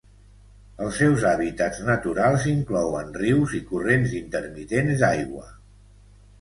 Els seus hàbitats naturals inclouen rius i corrents intermitents d'aigua.